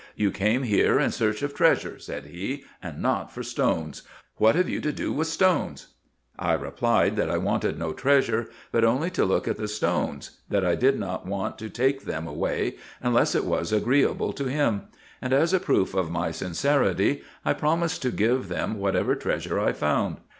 " You came here in search of treasure," said he, " and not for stones. What have you to do with stones ?" I replied, that I wanted no treasure, but only to look at the stones ; that I did not want to take them away unless it was agreeable to him; and, as a proof of my sincerity, I promised to give them whatever treasure I found.